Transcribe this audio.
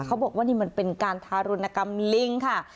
เขาบอกว่านี่มันเป็นการทารุณกรรมลิงค่ะ